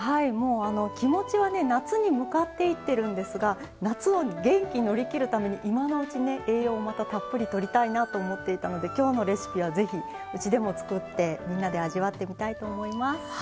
気持ちは夏に向かっていってるんですが夏を元気に乗り切るために今のうちに栄養をたっぷりとりたいなと思っていたので今日のレシピは、ぜひうちでも作ってみんなで味わってみたいと思います。